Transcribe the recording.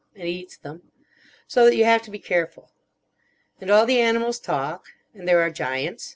And eats them. So that you have to be careful. And all the animals talk. And there are giants.